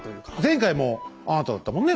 前回もあなただったもんね。